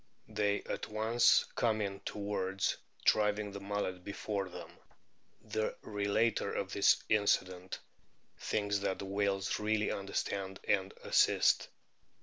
They at once come in towards, driving the mullet before them." The relator of this incident thinks that the whales really understand and assist.